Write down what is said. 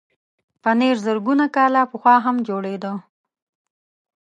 پنېر زرګونه کاله پخوا هم جوړېده.